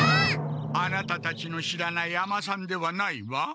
アナタたちの知らない尼さんではないわ。